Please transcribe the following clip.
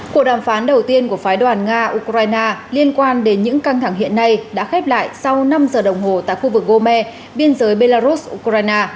cuộc đàm phán đầu tiên của phái đoàn nga ukraine liên quan đến những căng thẳng hiện nay đã khép lại sau năm giờ đồng hồ tại khu vực gome biên giới belarus ukraine